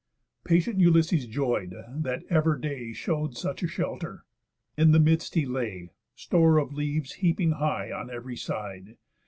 Patient Ulysses joy'd, that ever day Show'd such a shelter. In the midst he lay, Store of leaves heaping high on ev'ry side.